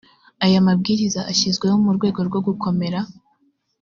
aya mabwiriza ashyizweho mu rwego rwo gukomera